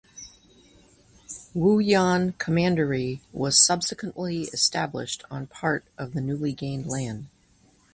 Wuyuan Commandery was subsequently established on part of the newly gained land.